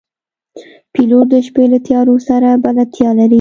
پیلوټ د شپې له تیارو سره بلدتیا لري.